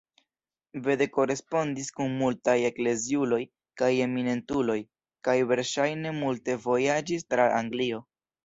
Bede korespondis kun multaj ekleziuloj kaj eminentuloj, kaj verŝajne multe vojaĝis tra Anglio.